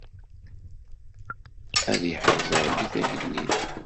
Ad yeḥrez Rebbi tagellidt.